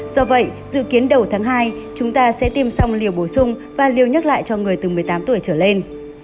do vậy dự kiến đầu tháng hai chúng ta sẽ tiêm xong liều bổ sung và liều nhắc lại cho người từ một mươi tám tuổi trở lên